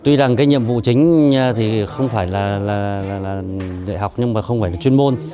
tuy rằng cái nhiệm vụ chính thì không phải là đại học nhưng mà không phải là chuyên môn